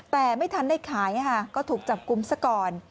แต่ไม่ทันได้ขายก็ถูกจับกลุ่มซะก่อน